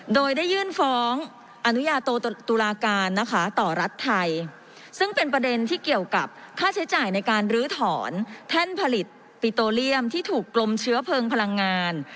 โดยได้ยื่นฟ้องอนุญาโตตุลาการนะคะต่อรัฐไทยซึ่งเป็นประเด็นที่เกี่ยวกับค่าใช้จ่ายในการลื้อถอนแท่นผลิตปิโตเลียมที่ถูกกลมเชื้อเพลิงพลังงาน